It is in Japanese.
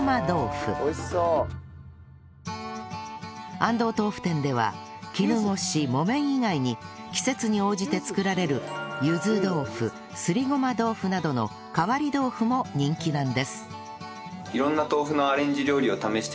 安藤豆腐店では絹ごし木綿以外に季節に応じて作られるゆず豆腐すり胡麻豆腐などの変わり豆腐も人気なんです